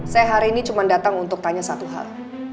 saya hari ini cuma datang untuk tanya satu hal